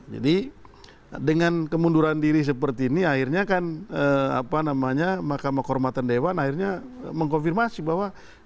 jadi dengan kemunduran diri seperti ini akhirnya kan mahkamah kormatan dewan mengkonfirmasi bahwa publik akan mengundur